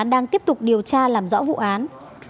đang tiếp tục điều tra làm rõ vụ án